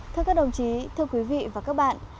thưa các đồng chí thưa quý vị và các bạn